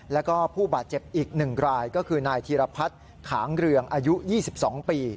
แล้วก็ผู้บาดเจ็บอีก๑รายก็คือนายธีรพัฒน์ขางเรืองอายุ๒๒ปี